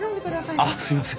あっすいません。